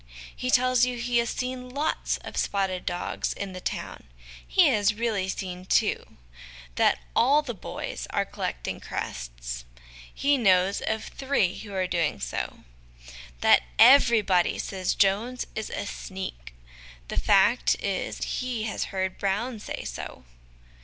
He tells you he has seen ' lots ' of spotted dogs in the town he has really seen two; that 'all the boys' are collecting crests he knows of three who are doing so ; that ' everybody ' says Jones is a ' sneak ' the fact is he has heard Brown say so.